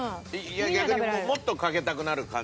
いや逆にもっとかけたくなる感じ